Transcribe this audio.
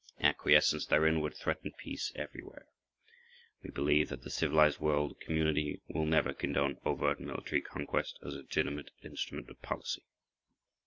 Acquiescence therein would threaten peace everywhere. We believe that the civilized world community will never condone overt military conquest as a legitimate instrument of policy.